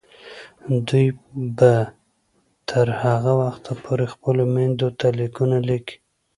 دوی به تر هغه وخته پورې خپلو میندو ته لیکونه لیکي.